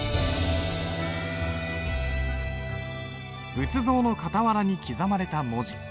仏像の傍らに刻まれた文字。